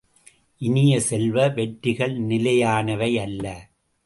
இனிய செல்வ, வெற்றிகள் நிலையானவை அல்ல.